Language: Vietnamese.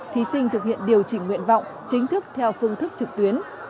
thí sinh thực hiện điều chỉnh nguyện vọng chính thức theo phương thức trực tuyến